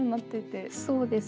そうです。